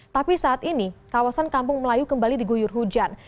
tapi saat ini kawasan kampung melayu kembali diguyur hujan